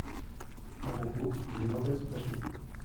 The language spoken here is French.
À propos, les dentelles sont achetées !